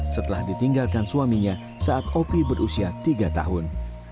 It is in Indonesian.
setelah ditinggalkan suaminya saat opri berusia tiga tahun